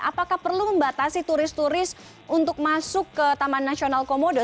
apakah perlu membatasi turis turis untuk masuk ke taman nasional komodo